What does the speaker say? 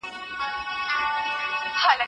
ریا د یو عالم شخصیت ته زیان رسوي.